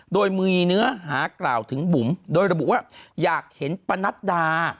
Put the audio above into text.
โดยมีเนื้อหากล่าวถึงบุ๋มโดยระบุว่าอยากเห็นปะนัดดา